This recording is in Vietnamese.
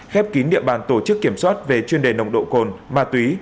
khép kín địa bàn tổ chức kiểm soát về chuyên đề nồng độ cồn ma túy